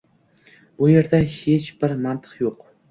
Bu yerda hech bir mantiq yo‘q.